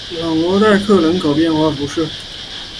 朗罗代克人口变化图示